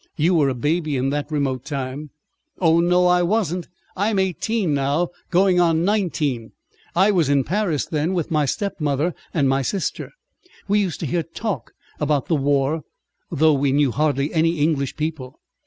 You were a baby in that remote time." "Oh no, I wasn't. I'm eighteen now, going on nineteen. I was in Paris then, with my stepmother and my sister. We used to hear talk about the war, though we knew hardly any English people."